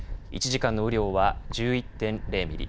１時間の雨量は１１．０ミリ。